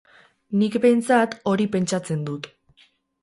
Nik, behintzat, hori pentsatzen dut.